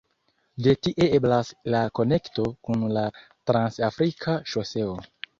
De tie eblas la konekto kun la "Trans-Afrika Ŝoseo".